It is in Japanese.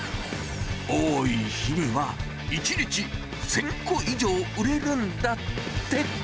多い日には、１日１０００個以上、売れるんだって。